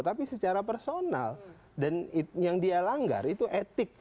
tapi secara personal dan yang dia langgar itu etik